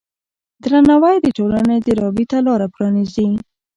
درناوی د ټولنې د راوي ته لاره پرانیزي.